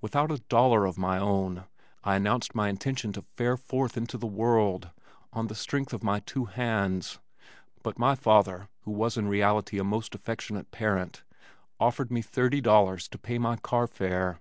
Without a dollar of my own, I announced my intention to fare forth into the world on the strength of my two hands, but my father, who was in reality a most affectionate parent, offered me thirty dollars to pay my carfare.